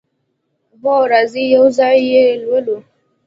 هو، راځئ یو ځای یی لولو